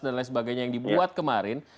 dan lain sebagainya yang dibuat kemarin